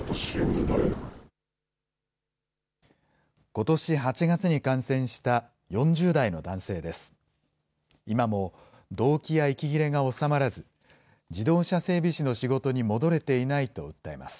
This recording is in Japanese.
ことし８月に感染した４０代の男性です。